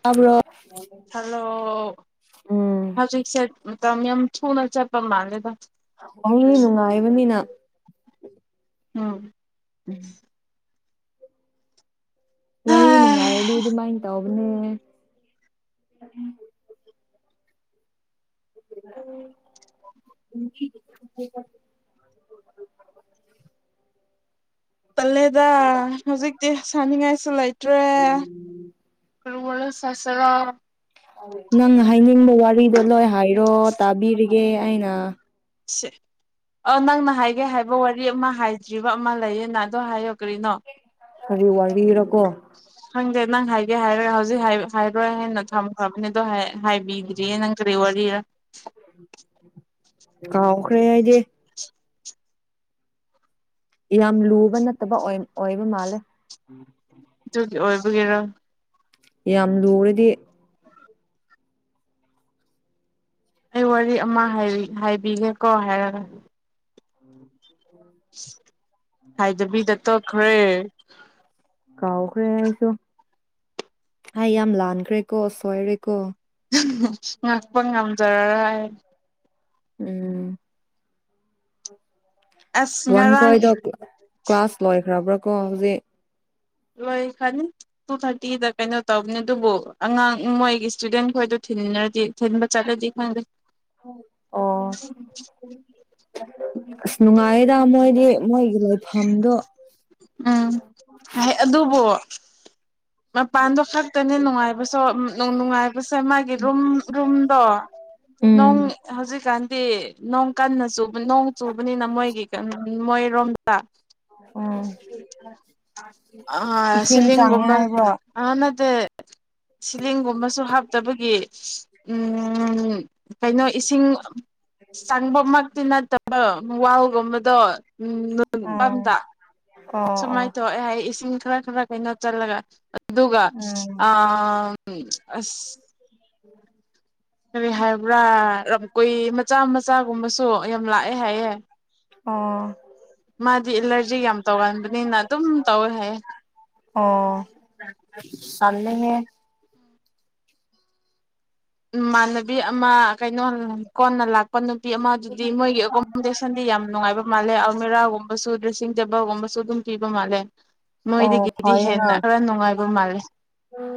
ꯇꯥꯕꯔꯣ ꯍꯜꯂꯣ ꯎꯝ꯫ ꯍꯧꯖꯤꯛꯁꯦ ꯃꯇꯝ ꯌꯥꯝ ꯊꯨꯅ ꯆꯠꯄ ꯃꯥꯜꯂꯦꯗ꯫ ꯋꯥꯔꯤ ꯅꯨꯡꯉꯥꯏꯕꯅꯤꯅ꯫ ꯎꯝ꯫ ꯎꯝ꯫ ꯋꯥꯔꯤ ꯅꯨꯪꯉꯥꯏꯔꯗꯤ ꯑꯗꯨꯝꯃꯥꯏ ꯑꯗꯨꯝ ꯇꯧꯕ꯫ ꯑꯗꯨꯅꯦ꯫ ꯑꯥꯥ꯫ ꯄꯜꯂꯦꯗ ꯍꯧꯖꯤꯛꯇꯤ ꯁꯅꯤꯡꯉꯥꯏꯁꯨ ꯂꯩꯇ꯭ꯔꯦ ꯁ ꯁꯔꯤꯀꯥ ꯅꯪ ꯍꯥꯏꯅꯤꯡꯕ ꯋꯥꯔꯤꯗꯣ ꯂꯣꯏ ꯍꯥꯏ ꯣ ꯇꯥꯕꯤꯔꯒꯦ ꯑꯩꯅ ꯁꯦ ꯑ ꯅꯪꯅ ꯍꯥꯏꯒꯦ ꯍꯥꯏꯕ ꯋꯥꯔꯤ ꯑꯃ ꯍꯥꯏꯗ꯭ꯔꯤꯕ ꯑꯃ ꯂꯩꯌꯦꯅ ꯑꯗꯣ ꯍꯥꯏꯌꯣ ꯀꯔꯤꯅꯣ ꯍꯥꯏꯔꯤ ꯋꯥꯔꯤꯔꯀꯣ ꯈꯪꯗꯦ ꯅꯪ ꯍꯥꯏꯒꯦ ꯍꯥꯏꯔ ꯍꯧꯖꯤꯛ ꯍꯥꯏꯔꯣꯏ ꯍꯥꯏꯅ ꯊꯝꯈ꯭ꯔꯕꯅꯤ ꯑꯗꯣ ꯍꯥꯏ ꯍꯥꯏꯕꯤꯗ꯭ꯔꯤ ꯌꯦ ꯅꯪ ꯀꯔꯤ ꯋꯥꯔꯤꯔꯥ [unintelligible] ꯀꯥꯎꯈ꯭ꯔꯦ ꯍꯥꯏꯗꯤ ꯌꯥꯝ ꯂꯨꯕ ꯅꯠꯇꯕ ꯑꯣꯏꯕ ꯃꯥꯜꯂꯦ ꯑꯣꯏꯕꯒꯦꯔꯥ ꯌꯥꯝ ꯂꯨꯔꯗꯤ ꯑꯩ ꯋꯥꯔꯤ ꯑꯃ ꯍꯥꯏꯕꯤꯒꯦꯀꯣ ꯍꯥꯏꯔꯒ ꯎ ꯍꯥꯏꯗ꯭ꯔꯕꯤꯗ ꯆꯠ ꯈ꯭ꯔꯦ ꯀꯥꯎꯈ꯭ꯔꯦ ꯑꯩꯁꯨ ꯍꯥꯏ ꯌꯥꯝ ꯂꯥꯟꯈ꯭ꯔꯦꯀꯣ ꯁꯣꯏꯔꯦꯀꯣ ꯃꯥ ꯄꯪꯉꯝ ꯇꯔꯥ ꯎꯝ ꯑꯁ ꯋꯣꯟ ꯉꯔꯥꯡ ꯈꯣꯏꯗꯣ ꯀ꯭ꯂꯥꯁ ꯂꯣꯏ ꯈ꯭ꯔꯕ꯭ꯔꯥ ꯀꯣ ꯍꯧꯖꯤꯛ ꯂꯣꯏ ꯈ꯭ꯔꯅꯤ ꯇꯨ ꯊꯥꯔꯇꯤꯗ ꯀꯩꯅꯣ ꯇꯧꯕꯅꯤ ꯑꯗꯨꯕꯨ ꯑꯉꯥꯡ ꯃꯣꯏꯒꯤ ꯁ꯭ꯇꯨꯗꯦꯟ ꯈꯣꯏꯗꯣ ꯊꯤꯟꯗꯤ ꯊꯤꯟꯕ ꯆꯠꯂꯗꯤ ꯈꯪꯗꯦ ꯑꯣ ꯅꯨꯉꯥꯏ ꯍꯥꯏꯗ ꯃꯣꯏꯗꯤ ꯃꯣꯏꯒꯤ ꯂꯩꯐꯝꯗꯣ ꯎꯝ ꯑꯗꯨꯕꯨ ꯃꯄꯥꯟꯗꯣ ꯈꯛꯇꯅꯤ ꯅꯨꯡꯉꯥꯏꯕꯁꯨ ꯅꯨꯡꯉꯥꯏꯕꯁꯦ ꯃꯥꯒꯤ ꯔꯨꯝ ꯔꯨꯝꯗꯣ ꯎꯝ ꯅꯣꯡ ꯍꯧꯖꯤꯛꯀꯥꯟꯗꯤ ꯅꯣꯡ ꯀꯟꯅ ꯆꯨꯕ ꯅꯣꯡ ꯆꯨꯕꯅꯤꯅ ꯃꯣꯏꯒꯤ ꯃꯣꯏ ꯔꯣꯝ ꯑ ꯑ ꯁꯤꯂꯤꯡꯒꯨꯝꯕ ꯍꯥꯏꯕ꯭ꯔꯣ ꯑ ꯅꯠꯇꯦ ꯁꯤꯂꯤꯡꯒꯨꯝꯕꯁꯨ ꯍꯥꯞ ꯇꯕꯒꯤ ꯎꯝ ꯀꯩꯅꯣ ꯏꯁꯤꯡ ꯆꯪꯕꯃꯛꯇꯤ ꯅꯠꯇꯕ ꯋꯥꯜꯒꯨꯝꯕꯗꯣ ꯎꯝ ꯅ ꯎꯝ ꯄꯝꯗ ꯁꯨꯃꯥꯏꯅ ꯑꯣ ꯇꯧ ꯑꯦ ꯑꯩ ꯏꯁꯤꯡ ꯈꯔ ꯈꯔ ꯀꯩꯅꯣ ꯆꯠꯂꯒ ꯑꯗꯨꯒ ꯎꯝ ꯑ ꯎꯝ ꯑꯁ ꯎꯝ ꯀꯔꯤ ꯍꯥꯏꯕ꯭ꯔꯥ ꯔ ꯀꯨꯏ ꯃꯆꯥ ꯃꯆꯥꯒꯨꯝꯕꯁꯨ ꯌꯥꯝ ꯂꯥꯛꯑꯦ ꯍꯥꯏꯌꯦ ꯑꯣ ꯃꯥꯗꯤ ꯑꯂꯔꯖ ꯖꯤꯛ ꯌꯥꯝ ꯇꯧꯒꯟꯕꯅꯤꯅ ꯑꯗꯨꯝ ꯇꯧꯋꯦ ꯍꯥꯏ ꯑꯦ ꯑꯣ ꯇꯜꯂꯦꯍꯦ ꯏꯃꯥꯟꯅꯕꯤ ꯑꯃ ꯀꯩ ꯅꯡ ꯀꯣꯟꯅꯥ ꯂꯥꯛꯄꯥꯅꯤ ꯄꯤ ꯑꯃꯗꯨꯗꯤ ꯃꯣꯏꯒꯤ ꯑꯦꯀꯣꯃꯣꯗꯦꯁꯟꯗꯤ ꯌꯥꯝ ꯅꯨꯡꯉꯥꯏꯕ ꯃꯥꯜꯂꯦ ꯑꯜꯃꯦꯔꯥꯒꯨꯝꯕꯁꯨ ꯗ꯭ꯔꯦꯁꯤꯡ ꯇꯦꯕꯜꯒꯨꯝꯕꯁꯨ ꯑꯗꯨꯝ ꯄꯤꯕ ꯃꯥꯜꯂꯦ ꯑꯣ ꯃꯣꯏꯗꯒꯤꯗꯤ ꯐꯩꯌꯦꯅ ꯍꯦꯟꯅ ꯈꯔ ꯅꯨꯡꯉꯥꯏ ꯨꯗꯨꯝ ꯃꯥꯂꯦ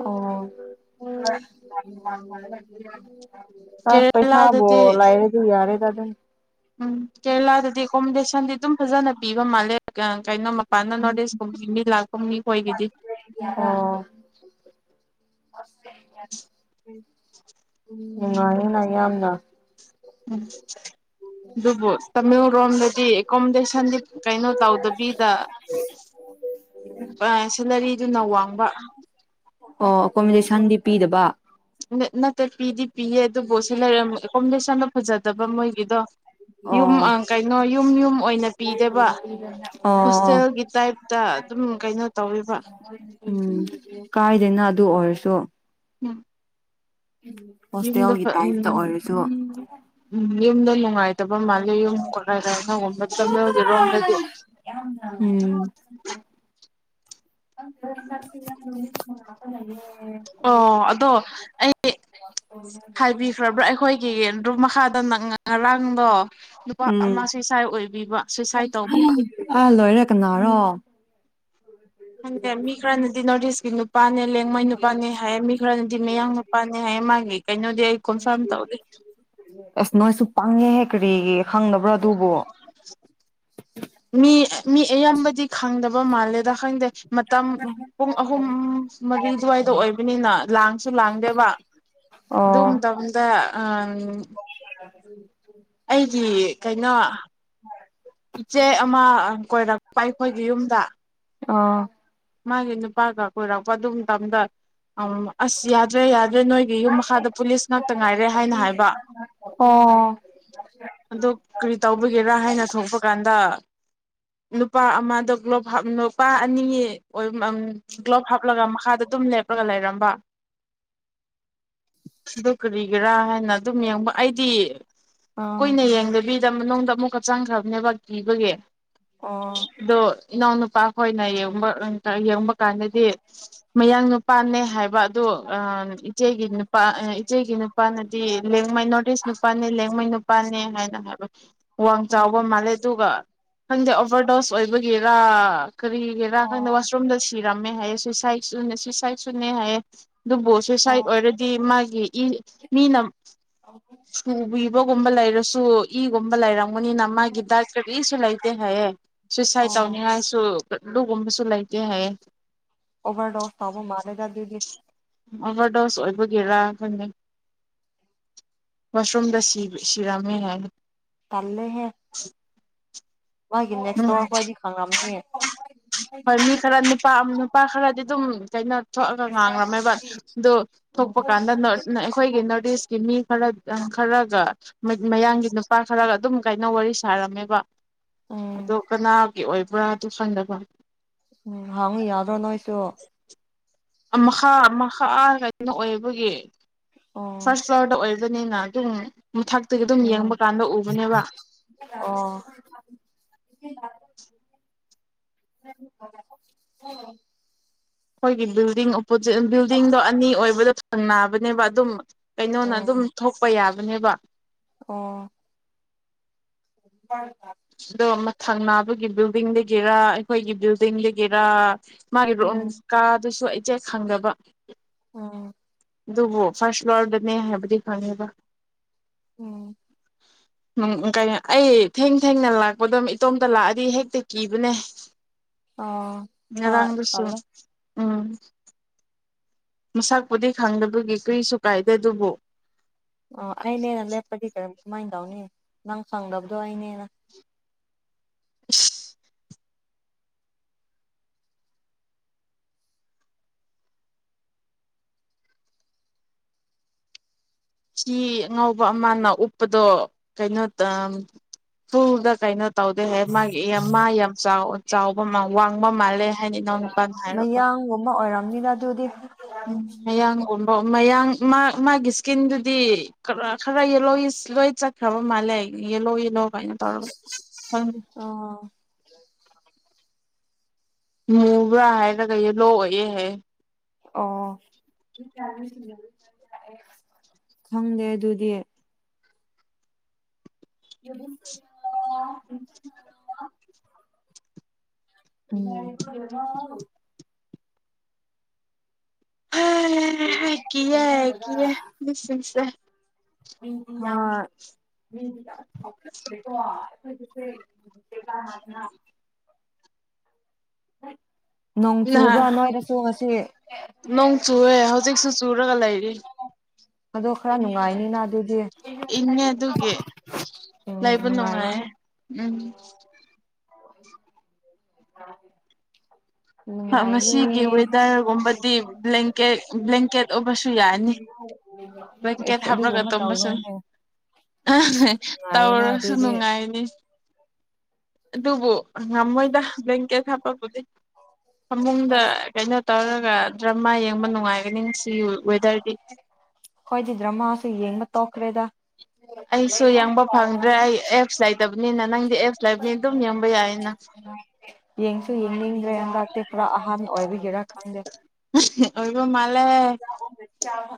ꯑꯣ ꯇꯁꯠ ꯄꯩꯁꯕꯨ ꯀꯦꯔꯦꯂꯥꯗꯗꯤ ꯂꯩꯔ꯭ꯗꯤ ꯌꯥꯔꯦꯗ ꯎ ꯎꯝ ꯀꯦꯔꯂꯥꯗꯗꯤ ꯀꯣꯝꯕꯤꯁꯟꯗꯤ ꯑꯗꯨꯝ ꯐꯖꯅ ꯄꯤꯕ ꯃꯥꯜꯂꯦ ꯀꯩꯅꯣꯃꯥ ꯄꯥꯟꯅ ꯅꯣꯇ ꯏꯁꯀꯨꯝ ꯃꯤ ꯂꯥꯛꯄ ꯃꯤ ꯈꯣꯏꯒꯤꯗꯤ ꯑꯣ ꯅꯨꯡꯉꯥꯏꯅ ꯏꯌꯥꯝꯅ ꯎꯝ ꯑꯗꯨꯕꯨ ꯇꯃꯦꯡꯂꯣꯝꯗꯗꯤ ꯑꯦꯀꯣꯃꯣꯗꯦꯁꯟꯗꯤ ꯀꯩꯅꯣ ꯇꯧꯗꯕꯤꯗ ꯁꯦꯂꯔꯤꯗꯨꯅ ꯋꯥꯡꯕ ꯑꯣ ꯑꯣꯀꯣꯃꯦꯁꯟꯗꯤ ꯄꯤꯗꯕ ꯅꯠꯇꯦ ꯄꯤꯗꯤ ꯄꯤꯌꯦ ꯑꯗꯨꯕꯨ ꯁꯦꯂꯥꯔꯝ ꯑꯦꯀꯣꯃꯣꯂꯦꯁ ꯆꯥꯅꯝ ꯐꯖꯗꯕ ꯃꯣꯏꯒꯤꯗꯣ ꯌꯨꯝ ꯑꯣ ꯀꯩꯅꯣ ꯌꯨꯝ ꯌꯨꯝ ꯑꯣꯏꯅ ꯄꯤꯗꯦꯕ ꯑꯣ ꯑꯣ ꯍꯣꯁꯇꯦꯜꯒꯤ ꯇꯥꯏꯞꯇ ꯑꯗꯨꯝ ꯀꯩꯅꯣ ꯇꯧꯋꯦꯕ ꯀꯥꯏꯗꯅ ꯑꯗꯨ ꯑꯣꯏꯔꯁꯨ ꯎꯝ ꯌꯨꯝꯗ ꯍꯣꯁꯇꯦꯜꯒꯤ ꯇꯥꯏꯞꯇ ꯑꯣꯏꯔꯁꯨ ꯎꯝ ꯌꯨꯝꯗ ꯅꯨꯡꯉꯥꯏꯇꯕ ꯃꯥꯜꯂꯦ ꯌꯨꯝ ꯀꯩꯅꯣꯒꯨꯝꯕ ꯆꯠꯃꯦꯜꯒꯤꯔꯣꯝꯗꯗꯤ ꯎꯝ [inaudible] ꯑꯣ ꯑꯗꯣ ꯑꯩ ꯍꯥꯏꯕꯤꯈ꯭ꯔꯕ꯭ꯔꯥ ꯑꯩꯈꯣꯏꯒꯤ ꯑꯗꯨꯝ ꯃꯈꯥꯗ ꯅꯪ ꯉꯔꯥꯡꯗꯣ ꯅꯨꯨꯄꯥ ꯎꯝ ꯑꯃꯁꯤ ꯁꯥꯏ ꯑꯣꯏ ꯑꯥ ꯂꯣꯏꯔ ꯀꯅꯥꯔꯣ ꯈꯪꯇꯦ ꯃꯤ ꯈꯔ ꯅꯗꯤ ꯅꯣꯔꯠ꯭ ꯏꯁꯀꯤ ꯅꯨꯞ ꯅꯨꯄꯥꯅꯦ ꯂꯦꯡꯃꯣꯏ ꯅꯨꯄꯥꯅꯦ ꯍꯥꯏꯌꯦ ꯃꯤ ꯈꯔꯅꯗꯤ ꯃꯌꯥꯡ ꯅꯨꯄꯥꯅꯦ ꯍꯥꯏꯌꯦ ꯃꯥꯒꯤ ꯀꯩꯅꯣꯗꯤ ꯑꯩ ꯀꯣꯟꯐꯥꯔꯝ ꯇꯧꯗꯦ ꯑꯁ ꯅꯣꯏꯁꯨ ꯄꯪꯉꯦꯍꯦ ꯀꯔꯤꯒꯤ ꯈꯪꯗꯕ꯭ꯔꯥ ꯑꯗꯨꯕꯨ ꯃꯤ ꯃꯤ ꯑꯌꯥꯝꯕꯗꯤ ꯈꯥꯡꯗꯕ ꯃꯥꯜꯂꯦꯗ ꯈꯪꯗꯦ ꯃꯇꯝ ꯄꯨꯡ ꯑꯍꯨꯝ ꯃꯔꯤ ꯑꯗꯨꯋꯥꯏꯗ ꯑꯣꯏꯕꯅꯤꯅ ꯂꯥꯡꯁꯨ ꯂꯥꯡꯗꯦꯕ ꯑꯗꯨ ꯑꯣ ꯃꯇꯝꯗ ꯑꯥ ꯎꯝ ꯑꯩꯒꯤ ꯀꯩꯅꯣ ꯏꯆꯦ ꯑꯃ ꯀꯣꯏꯔꯛ ꯂꯄꯥ ꯑꯩꯈꯣꯏꯒꯤ ꯌꯨꯝꯗ ꯑꯥ ꯃꯥꯒꯤ ꯅꯨꯄꯥꯒ ꯀꯣꯏꯔꯛꯄ ꯑꯗꯨ ꯃꯇꯝꯗ ꯑꯁ ꯌꯥꯗ꯭ꯔꯦ ꯌꯥꯗ꯭ꯔꯦ ꯅꯣꯏꯒꯤ ꯌꯨꯝ ꯃꯈꯥꯗ ꯄꯨꯂꯤꯁ ꯉꯥꯛꯇ ꯉꯥꯏꯔꯦ ꯍꯥꯏꯅ ꯍꯥꯏꯕ ꯑꯗꯨ ꯀꯔꯤ ꯇꯧꯕꯤꯒꯦꯔꯥ ꯍꯥꯏꯅ ꯊꯣꯛꯄ ꯀꯥꯟꯗ ꯅꯨꯨꯄꯥ ꯑꯃꯗ ꯒ꯭ꯂꯣꯞ ꯍꯥꯞ ꯅꯨꯄꯥ ꯑꯅꯤ ꯒ꯭ꯂꯣꯞ ꯍꯥꯞꯂꯒ ꯃꯈꯥꯗ ꯑꯗꯨꯝ ꯂꯦꯞꯂꯒ ꯂꯩꯔꯝꯕ ꯑꯗꯨ ꯀꯔꯤꯒꯤꯔꯥ ꯍꯥꯏꯅ ꯑꯗꯨꯝ ꯌꯦꯡꯕ ꯑꯩꯗꯤ ꯀꯨꯏꯅ ꯌꯦꯡꯗꯕꯤ ꯁꯤꯗ ꯃꯅꯨꯡꯗ ꯑꯃꯨꯛꯀꯛ ꯆꯪꯈ꯭ꯔꯕꯅꯦꯕ ꯀꯤꯕꯒꯤꯦ ꯗꯣ ꯏꯅꯥꯎ ꯅꯨꯄꯥ ꯈꯣꯏꯅ ꯌꯦꯡꯕ ꯌꯦꯡꯕ ꯀꯥꯟꯗꯗꯤ ꯃꯌꯥꯡ ꯅꯨꯄꯥꯅꯦ ꯍꯥꯏꯕ ꯑꯗꯨ ꯏꯆꯦꯒꯤ ꯅꯨꯄꯥ ꯏꯆꯦꯒꯤ ꯅꯨꯄꯥꯅꯗꯤ ꯂꯦꯡꯃꯩ ꯅꯣꯔꯠ ꯏꯁ ꯅꯨꯄꯥꯅꯦ ꯂꯦꯡꯃꯩ ꯅꯨꯄꯥꯅꯦ ꯍꯥꯏꯅ ꯍꯥꯏꯕ ꯋꯥꯡ ꯆꯥꯎꯕ ꯃꯥꯜꯂꯦ ꯑꯗꯨꯒ ꯈꯪꯗꯦ ꯑꯣꯚꯔꯗꯣꯁ ꯑꯣꯏꯕꯒꯤꯔꯥ ꯀꯔꯤꯒꯤꯔꯥ ꯈꯪꯗꯦ ꯁꯤꯔꯝꯃꯦ ꯍꯥꯏꯌꯦ ꯁꯨꯏꯁꯥꯏꯗꯁꯨꯅꯦ ꯁꯨꯏꯁꯥꯏꯗꯁꯨꯅꯦ ꯍꯥꯏꯌꯦ ꯑꯗꯨꯕꯨ ꯁꯨ ꯁꯥꯏꯠ ꯑꯣꯏꯔꯗꯤ ꯃꯥꯒꯤ ꯏ ꯃꯤꯅꯝ ꯁ꯭ꯀꯨꯜꯕꯤ ꯒꯨꯝꯕ ꯂꯩꯔꯁꯨ ꯏꯒꯨꯝꯕ ꯂꯩꯔ ꯈꯣꯡꯕꯅꯤꯅ ꯃꯥꯒꯤ ꯗꯥꯏꯠꯇꯨ ꯀꯔꯤꯁꯨ ꯂꯩꯇꯦ ꯍꯥꯏꯌꯦ ꯁꯨꯏꯁꯥꯏꯠ ꯇꯧꯅꯤꯡꯉꯥꯏꯁꯨ ꯂꯨꯒꯨꯝꯕꯁꯨ ꯂꯩ ꯇꯦ ꯍꯥꯏꯌꯦ ꯑꯣꯚꯔꯗꯣꯁ ꯇꯕ ꯃꯥꯜꯂꯦꯗ ꯑꯗꯨꯗꯤ ꯑꯕꯔꯗꯣꯁ ꯑꯣꯏꯕꯒꯤꯔ ꯈꯪꯗꯦ ꯋꯥꯁꯔꯨꯝꯗ ꯁꯤꯔꯝꯃꯦ ꯍꯥꯏꯅ꯫ ꯇꯜꯂꯦꯍꯦ꯫ ꯃꯥꯒꯤ ꯎꯝ ꯅꯦꯛꯁꯇꯣꯔ ꯍꯣꯏꯗꯤ ꯈꯪꯉꯝꯅꯦ꯫ ꯍꯣꯏ ꯃꯤ ꯈꯔ ꯅꯨꯄꯥ ꯅꯨꯄꯥ ꯈꯔꯗꯤ ꯑꯗꯨꯝ ꯀꯩꯅꯣ ꯊꯣꯛꯑꯒ ꯉꯥꯡꯔꯝꯃꯦꯕ ꯑꯗꯨ ꯎꯝ ꯊꯣꯛꯄ ꯎꯝ ꯀꯥꯟꯗ ꯑꯩꯈꯣꯏꯒꯤ ꯅꯣꯔꯠ ꯏꯁꯀꯤ ꯃꯤ ꯈꯔ ꯈꯔꯒ ꯃꯌꯥꯡꯒꯤ ꯅꯨꯄꯥ ꯈꯔꯒ꯫ ꯑꯗꯨꯝ ꯀꯥꯏꯅ ꯋꯥꯔꯤ ꯁꯥꯔꯝꯃꯦꯕ꯫ ꯑꯗꯣ ꯀꯅꯥ꯫ ꯒꯤ ꯑꯣꯏꯕ꯭ꯔꯥ ꯑꯗꯨ ꯆꯨꯁꯤꯟꯗꯕ꯫ ꯎꯝ ꯍꯪꯉꯨ ꯌꯥꯗ꯭ꯔꯣ ꯅꯣꯏꯁꯨ꯫ ꯃꯈꯥ ꯃꯈꯥ ꯀꯩꯅꯣ ꯑꯣꯏꯕꯒꯤ꯫ ꯎꯝ ꯐꯥꯔꯁ ꯐ꯭ꯂꯋꯔ ꯑꯣꯏ꯫ ꯅꯅꯒꯦ꯫ ꯃꯊꯛꯇꯒꯤ ꯑꯗꯨꯝ ꯌꯦꯡꯕ ꯀꯥꯟꯗ ꯎꯕꯅꯦꯕ꯫ ꯫ ꯎ ꯎ꯫ ꯑꯩꯈꯣꯏꯒꯤ ꯕꯤꯜꯗꯤꯡ ꯑꯣꯄꯣꯖꯤꯠ ꯕꯤꯜꯗꯤꯡꯗꯣ ꯑꯅꯤ ꯑꯣꯏꯕꯗꯣ ꯊꯪꯅꯕꯅꯦꯕ ꯑꯗꯨꯝ ꯎꯝ ꯀꯩꯅꯣꯅ ꯑꯗꯨꯝ ꯊꯣꯛꯄ ꯌꯥꯕ꯫ ꯃꯕꯅꯦꯕꯥ꯫ ꯑꯣ꯫ ꯍꯣꯏ꯫ ꯑꯗꯣ ꯃꯊꯪ ꯅꯥꯕꯒꯤ ꯕꯤꯜꯗꯤꯡꯗꯒꯤꯔ ꯑꯩꯈꯣꯏꯒꯤ ꯕꯤꯜꯗꯤꯡꯗꯒꯤꯔ꯫ ꯃꯥꯒꯤ ꯔꯨꯝ ꯎꯝ ꯀꯥ ꯑꯗꯨꯁꯨ ꯑꯩ꯫ ꯆꯦꯛ ꯈꯪꯗꯕ꯫ ꯑꯣ꯫ ꯑꯗꯨꯕꯨ ꯐꯥꯔꯁ ꯐ꯭ꯂꯣꯔꯗꯅꯦ ꯍꯥꯏꯕꯗꯤ ꯐꯪꯉꯦꯕ꯫ ꯎꯝ꯫ ꯎꯝ ꯀ ꯑꯩ ꯊꯦꯡ꯫ ꯊꯦꯡꯅ ꯂꯥꯛꯄꯗꯣꯝ ꯏꯇꯣꯝꯇ ꯂꯥꯛꯑꯗꯤ ꯍꯦꯛꯇ ꯀꯤꯕꯅꯦ꯫ ꯑꯣ ꯍꯣꯏ ꯉꯔꯥꯡꯗꯨꯁꯨ꯫ ꯇꯜꯂꯦ ꯎꯝ꯫ ꯃꯁꯛꯄꯨꯗꯤ ꯈꯪꯗꯕꯒꯤ ꯀꯔꯤꯁꯨ ꯀꯥꯏꯗꯦ ꯑꯗꯨꯕꯨ꯫ ꯑꯣ ꯑꯩꯅꯦꯅ ꯂꯦꯞꯄꯗꯤ ꯀꯔꯝ꯫ ꯀꯃꯥꯏꯅ ꯇꯧꯅꯤ ꯅꯪ ꯈꯪꯗꯕꯗꯣ ꯑꯩꯅꯦꯅ꯫ ꯏꯁ꯫ ꯁꯤ ꯑꯉꯥꯎꯕ ꯑꯃꯅ ꯎꯞꯄꯗꯣ ꯀꯩꯅꯣ ꯐꯨꯜꯗ ꯀꯩꯅꯣ꯫ ꯇꯧꯗꯦ ꯍꯥꯏ ꯃꯥꯒꯤ ꯃꯥ ꯌꯥꯝ ꯆꯥꯎꯕ ꯋꯥꯡꯕ ꯃꯥꯜꯂꯦ ꯍꯥꯏꯅ ꯏꯅꯥꯎꯅꯨꯄꯥꯅ ꯍꯥꯏꯔꯕ꯫ ꯃꯌꯥꯡꯒꯨꯝꯕ ꯑꯣꯏꯔꯝꯅꯤꯗ ꯑꯗꯨꯗꯤ ꯎꯝ ꯃꯌꯥꯡꯒꯨꯝꯕ꯫ ꯃꯌꯥꯡ ꯃꯥꯒꯤ ꯏꯁꯀꯤꯟꯗꯨꯗꯤ ꯈꯔ ꯌꯦꯂꯣꯌꯤꯁ ꯂꯣꯏ ꯆꯠꯈ꯭ꯔꯕ ꯃꯥꯜꯂꯦ ꯌꯦꯂꯣ ꯌꯦꯂꯣ꯫ ꯅ ꯇꯧꯔ꯫ ꯑꯥ ꯃꯕꯥ ꯍꯥꯏ ꯂꯒꯩ ꯂꯣꯌꯦ ꯍ꯫ ꯑꯣ꯫ ꯈꯪꯗꯦ ꯑꯗꯨꯗꯤ꯫ ꯫ ꯍꯝ꫰ [inaudible] ꯍꯩ ꯍꯩ ꯀꯤꯌꯦ ꯀꯤꯌꯦ ꯃꯤꯁꯤꯡꯁꯦ꯫ ꯃꯥ꯫ ꯎ꯫ ꯅꯣꯡ ꯆꯨꯕ꯭ꯔꯥ ꯅꯍꯥꯟ ꯅꯣꯏꯗꯁꯨ ꯉꯁꯤ ꯔꯤ꯫ ꯑꯗꯣ ꯈꯔ ꯅꯨꯡꯉꯥꯏꯅꯤꯅ ꯑꯗꯨꯗꯤ꯫ ꯏꯪꯉꯦ ꯑꯗꯨꯒꯤ ꯎꯝ ꯂꯩꯕ ꯅꯨꯡꯉꯥꯏꯒꯅꯤ ꯅꯨꯡꯉꯥꯏꯌꯦ ꯎꯝ꯫ ꯑ꯫ ꯃꯁꯤꯒꯤ ꯋꯦꯗꯔꯒꯨꯝꯕꯗꯤ ꯕ꯭ꯂꯀꯦꯠ ꯕ꯭ꯂꯦꯡꯀꯦꯠ ꯑꯣꯏꯕꯁꯨ ꯌꯥꯅꯤ ꯕ꯭ꯂꯦꯡꯀꯦꯠ ꯑꯦꯁ ꯍꯥꯞꯂꯒ ꯑꯗꯨꯒꯨꯝꯕ ꯇꯨꯝꯕꯁꯨ ꯇꯧꯕ꯭ꯔꯅꯦ ꯅꯨꯡꯉꯥꯏꯌꯦꯅ ꯇꯧꯔꯁꯨ ꯑꯗꯨꯗꯤ ꯅꯨꯡꯉꯥꯏꯅꯤ꯫ ꯑꯗꯨꯕꯨ꯫ ꯉꯝꯃꯣꯏꯗ ꯕꯂ꯭ꯌꯦꯀꯦꯠ ꯍꯞ꯫ ꯕꯨꯗꯤ꯫ ꯐꯃꯨꯡꯗ ꯀꯩꯅꯣ ꯇꯧꯔꯒ ꯗ꯭ꯔꯃꯥ ꯌꯦꯡꯕ ꯅꯨꯡꯉꯥꯏꯒꯅꯤ ꯁꯤ ꯋꯦꯗꯔꯗꯤ꯫ ꯇꯣꯈꯔ꯭ꯦꯗ꯫ ꯑꯩꯁꯨ ꯌꯦꯡꯕ ꯐꯪꯗ꯭ꯔꯦ ꯑꯩ ꯑꯦꯞꯁ ꯂꯩꯇꯕ꯫ ꯂꯩꯇꯥꯕꯥꯅꯤꯅꯥ꯫ [unintelligible] ꯌꯦꯡꯁꯨ ꯌꯦꯡꯅꯤꯡꯗ꯭ꯔꯦ ꯍꯟꯗꯛꯇꯤ ꯈꯔ ꯑꯍꯥꯟꯕ ꯑꯣꯏꯕꯤ꯫ ꯈꯪꯗꯦ꯫ ꯑꯣꯏꯔꯤꯕ ꯃꯥꯜ꯫ ꯂꯦ꯫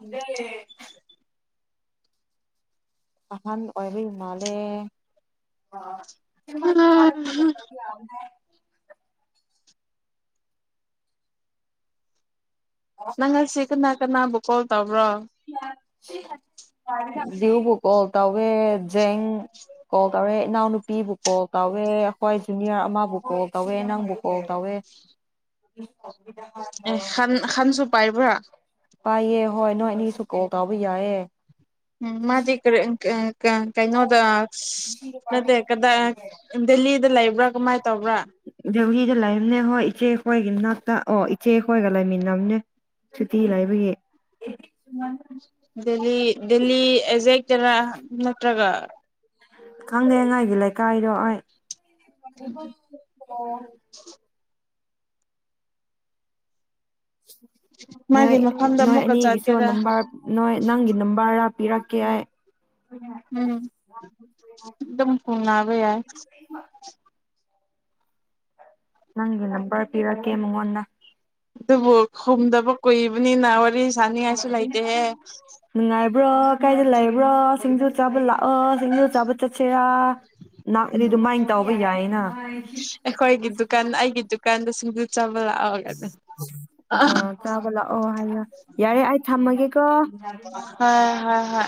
ꯑꯗ꯫ [unintelligible] ꯑꯍꯥꯟꯕꯥ ꯑꯣꯏꯕꯩ ꯃꯥꯜꯂꯦ ꯫ ꯎꯝ꯫ ꯅꯪ ꯉꯁꯤ ꯀꯅ꯫ ꯀꯅꯥꯕꯨ ꯀꯣꯜ ꯇꯧꯕ꯭ꯔꯣ꯫ ꯕꯨ ꯀꯣꯜ ꯇ꯫ ꯖꯦꯡ ꯀꯣꯜ ꯇꯧꯔꯦ꯫ ꯏꯅꯥꯎꯅꯨꯄꯤꯕꯨ ꯀꯣꯜ ꯇꯧꯋꯦ ꯑꯩꯈꯣꯏ ꯖꯨꯅꯤꯌꯔ ꯑꯃꯕꯨ ꯀꯣꯜ ꯇꯧꯋꯦ ꯅꯪꯕꯨ ꯀꯣꯜ ꯇꯧꯋꯦ꯫ ꯑꯦ ꯈꯥꯟ ꯈꯥꯟꯁꯨ ꯄꯥꯏꯕꯔꯥ꯫ ꯄꯥꯏꯌꯦ ꯍꯣꯏ ꯅꯣꯏꯅꯤ꯫ ꯁꯨ ꯀꯣꯜ ꯇꯧꯕ ꯌꯥꯏꯌꯦ꯫ ꯎꯝ ꯃꯥꯗꯤ ꯀꯔꯤ ꯎꯝ ꯀꯌꯥꯝ ꯀꯩꯅꯣꯗ ꯅꯠꯇꯦ ꯀꯗꯥꯏ ꯗꯦꯜꯂꯤꯗ ꯂꯩꯕ꯭ꯔꯥ ꯀꯃꯥꯏꯅ ꯇꯧꯕ꯭ꯔꯥ ꯖꯩꯎꯂꯤꯗ ꯂꯩꯔꯝꯅꯦ ꯍꯣꯏ ꯏꯆꯦꯈꯣꯏꯒꯤ ꯅꯥꯛꯇ ꯑꯣ ꯏꯆꯦ ꯍꯣꯏꯒ ꯂꯩꯃꯤꯟꯅꯝꯅꯦ ꯁꯨꯇꯤ ꯂꯩꯕꯒꯤ [unintelligible] ꯗꯦꯜꯂꯤ ꯗꯦꯜꯂꯤ ꯑꯦꯖꯦꯛ ꯔ ꯅꯠꯇ꯭ꯔꯒ ꯈꯪꯗꯦꯉꯥꯏꯒꯤ ꯂꯩꯀꯥꯏꯗꯣ ꯑꯩ [unintelligible] ꯅꯣꯏ ꯃꯥꯒꯤ ꯃꯐꯝꯗ ꯅꯣꯏ ꯑꯃꯨꯛꯀ ꯑꯅꯤꯒꯤꯁꯨ ꯆꯠꯀꯦꯔꯥ ꯅꯝꯕꯔ ꯅꯣꯏ ꯅꯪꯒꯤ ꯅꯝꯕꯔ ꯄꯤꯔꯛꯀꯦ ꯍꯥꯏ ꯎꯝ ꯑꯗꯨꯝ ꯎꯟꯅꯕ ꯌꯥꯏ [unintelligible] ꯅꯪꯒꯤ ꯅꯝꯕꯔ ꯄꯤꯔꯛꯀꯦ ꯃꯉꯣꯟꯗ ꯑꯗꯨꯕꯨ ꯈꯨꯝꯗꯕ ꯀꯨꯏꯕꯅꯤꯅ ꯋꯥꯔꯤ ꯁꯅꯤꯉꯥꯏꯁꯨ ꯂꯩꯇꯦꯍꯦ ꯕ꯭ꯔꯣ ꯀꯥꯏꯗ ꯂꯩꯕ꯭ꯔꯣ ꯁꯤꯡꯖꯨ ꯆꯥꯕ ꯂꯥꯛꯑꯣ ꯁꯤꯡꯖꯨ ꯆꯥꯕ ꯆꯠꯁꯦ ꯌꯥ ꯅꯥꯛꯔꯤꯗꯨꯃꯥꯏ ꯇꯧꯕ ꯌꯥꯏꯅ ꯑꯩꯈꯣꯏꯒꯤ ꯗꯨꯀꯥꯟ ꯑꯩꯒꯤ ꯗꯨꯀꯥꯟꯗ ꯁꯤꯡꯖꯨ ꯆꯥꯕ ꯂꯥꯛꯑꯣ ꯍꯣꯏ ꯑ ꯆꯥꯕ ꯂꯥꯛꯑꯣ ꯍꯥꯏꯕ ꯌꯥꯔꯦ ꯊꯝꯃꯒꯦꯀꯣ ꯍ ꯍ ꯍ